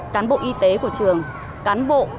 cán bộ y tế của trường cán bộ